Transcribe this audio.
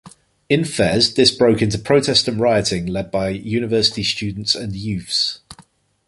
In Fez this broke into protest and rioting led by university students and youths.